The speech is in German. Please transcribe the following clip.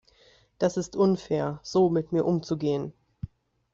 Das ist unfair, so mit mir umzugehen.